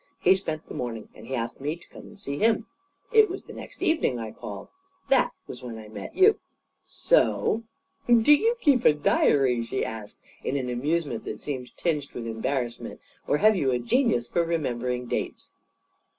He spent the morning, and he asked me to come and see him. It was the next evening I called. That was when I met you. So " "Do you keep a diary?" she asked, in an amusement that seemed tinged with embarrassment. "Or have you a genius for remembering dates?"